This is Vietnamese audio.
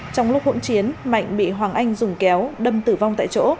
trong lúc hỗn chiến mạnh bị hoàng anh dùng kéo đâm tử vong tại chỗ